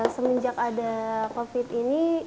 semenjak ada covid ini